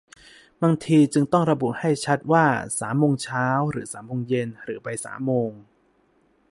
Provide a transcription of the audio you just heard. บางทีจึงต้องระบุให้ชัดว่าสามโมงเช้า หรือสามโมงเย็น หรือบ่ายสามโมง